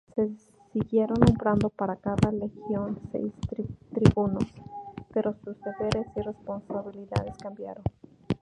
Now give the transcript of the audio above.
Se siguieron nombrando para cada legión seis tribunos, pero sus deberes y responsabilidades cambiaron.